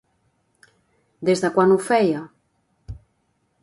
Des de quan ho feia?